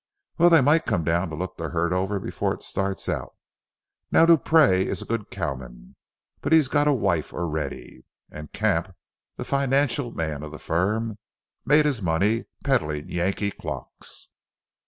"Well, they might come to look the herd over before it starts out. Now, Dupree is a good cowman, but he's got a wife already. And Camp, the financial man of the firm, made his money peddling Yankee clocks.